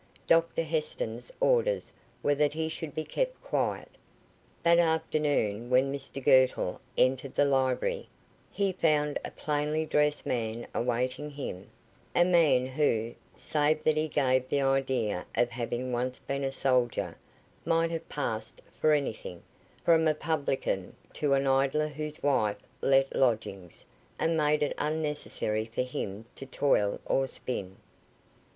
"Doctor Heston's orders were that he should be kept quiet." That afternoon, when Mr Girtle entered the library, he found a plainly dressed man awaiting him a man who, save that he gave the idea of having once been a soldier, might have passed for anything, from a publican to an idler whose wife let lodgings, and made it unnecessary for him to toil or spin.